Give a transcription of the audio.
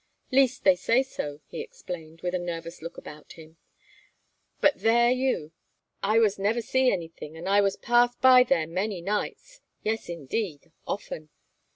'Least they was say so,' he explained, with a nervous look about him, 'but there you! I was never see anything, an' I was pass by there many nights yes, indeed, often.'